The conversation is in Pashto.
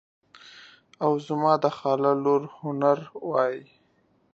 او زما د خاله لور هنر وایي.